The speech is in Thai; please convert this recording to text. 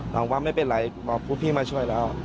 น้องว่าไม่เป็นไรพวกพี่มาช่วยแล้ว